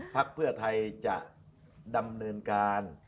พักเพื่อไทยจะดำเนินการ